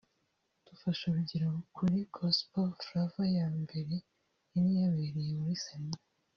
Dufashe urugero kuri Gospel Flava ya mbere yari yabereye muri Serena